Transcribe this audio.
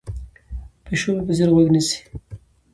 پیشو مې په ځیر غوږ نیسي.